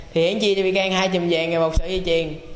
hiển chia cho vy cang hai chùm vàng một sợi dây chiền